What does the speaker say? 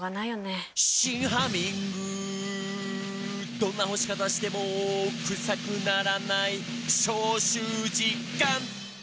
「どんな干し方してもクサくならない」「消臭実感！」